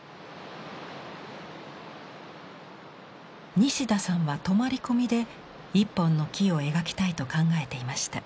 西田さんは泊まり込みで一本の木を描きたいと考えていました。